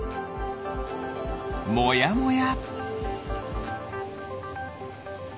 もやもや。